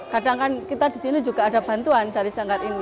kadang kan kita di sini juga ada bantuan dari sanggar ini